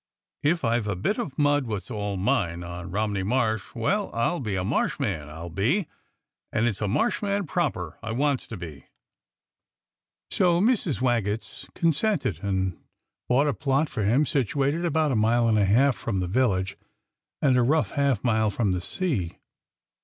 If I've a bit of mud wot's all mine on Romney Marsh — SETS UP A GALLOWS TREE 103 well, I'll be a Marshman, I'll be, and it's a Marshman proper I wants to be." So Mrs. Waggetts consented, and bought a plot for him situated about a mile and a half from the village and a rough half mile from the sea.